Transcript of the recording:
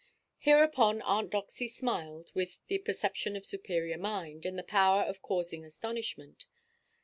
Hereupon Aunt Doxy smiled, with the perception of superior mind, and the power of causing astonishment.